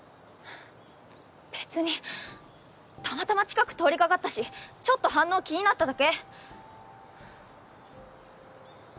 別にたまたま近く通りかかったしちょっと反応気になっただけ！